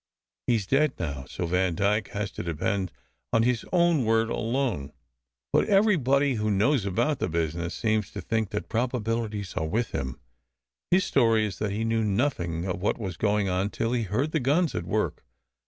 He s dead now, so Van dyke has to depend on his own word alone; but everybody who knows about the business seems to think that proba bilities are with him. His story is that he knew nothing of what was going on till he heard the guns at work.